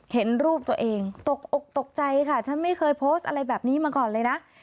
เห็นรูปตัวเองตกอกตกใจค่ะฉันไม่เคยโพสต์อะไรแบบนี้มาก่อนเลยนะ